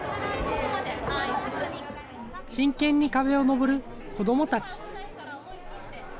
真剣に壁を登る子どもたち。